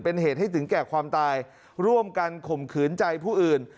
เป็นเหตุให้ถึงแก่ความตายร่วมกันข่มขืนใจผู้อื่น